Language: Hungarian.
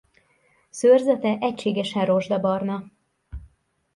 Szőrzete egységesen rozsdabarna.